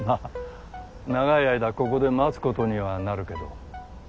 長い間ここで待つことにはなるけど。